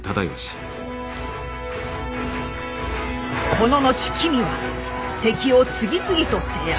この後君は敵を次々と制圧。